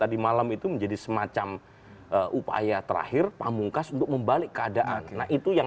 tadi malam itu menjadi semacam upaya terakhir pamungkas untuk membalik keadaan nah itu yang